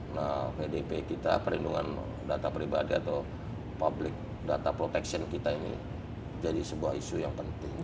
nah pdp kita perlindungan data pribadi atau public data protection kita ini jadi sebuah isu yang penting